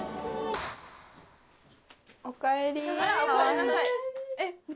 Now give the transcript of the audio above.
おかえり。